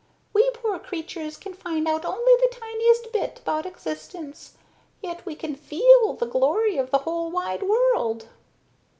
We poor creatures can find out only the tiniest bit about existence. Yet we can feel the glory of the whole wide world."